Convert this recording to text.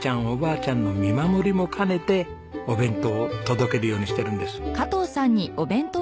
おばあちゃんの見守りも兼ねてお弁当を届けるようにしてるんです。